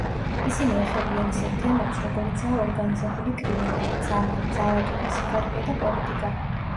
ისინი ეხებიან ისეთ თემებს, როგორიცაა ორგანიზებული კრიმინალი, წამალი, ძალადობა, სიღარიბე და პოლიტიკა.